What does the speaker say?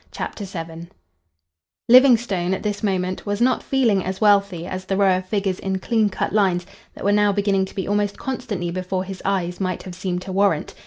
CHAPTER VII Livingstone, at this moment, was not feeling as wealthy as the row of figures in clean cut lines that were now beginning to be almost constantly before his eyes might have seemed to warrant.